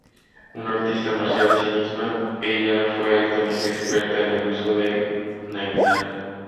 Un artista marcial sí misma, ella fue altamente experta en el uso del naginata.